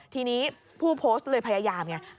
ทีนี้ผู้โพสต์เลยพยายามไง